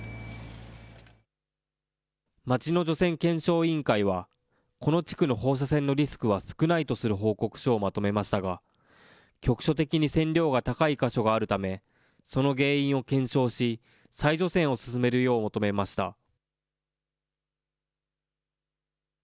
町の除染検証委員会は、この地区の放射線のリスクは少ないとする報告書をまとめましたが、局所的に線量が高い箇所があるため、その原因を検証し、再除染を進めるよう求めました。